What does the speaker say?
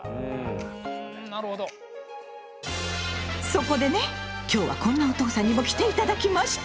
そこでね今日はこんなお父さんにも来て頂きました！